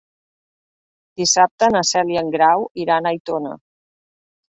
Dissabte na Cel i en Grau iran a Aitona.